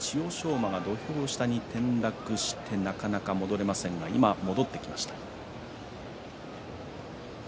馬は土俵下に転落してなかなか戻れませんが今戻ってきました。